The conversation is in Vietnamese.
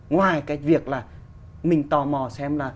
ngoài cái việc là mình tò mò xem là